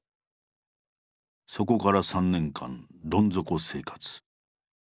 そこから３年間どん底生活。